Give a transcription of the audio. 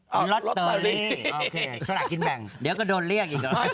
เฉลี่ยสละกินแบ่งเดี๋ยวก็โดนเรียกอีกแล้ว